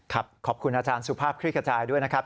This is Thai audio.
ขอบคุณอาจารย์สุภาพคลิกกระจายด้วยนะครับ